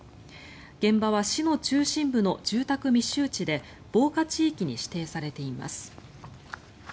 現場は市の中心部の住宅密集地で防火地域に指定されています。